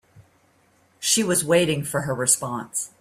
She was waiting for her response.